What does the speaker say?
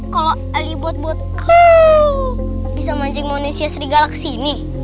kalau eli buat buat bisa mancing manusia serigala kesini